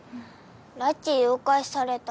拉致誘拐された。